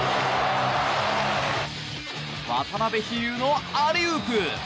渡邉飛勇のアリウープ！